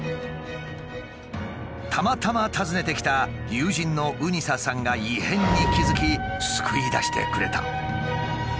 たまたま訪ねて来た友人のうにささんが異変に気付き救い出してくれた。